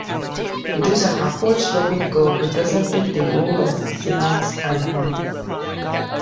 It is an upward-sloping curve representing the role of finance and money.